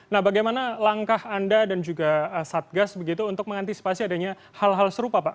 nah bagaimana langkah anda dan juga satgas begitu untuk mengantisipasi adanya hal hal serupa pak